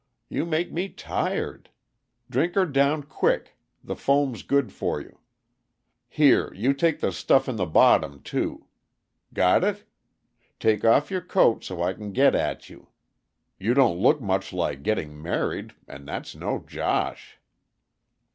You make me tired. Drink her down quick the foam's good for you. Here, you take the stuff in the bottom, too. Got it? Take off your coat, so I can get at you. You don't look much like getting married, and that's no josh."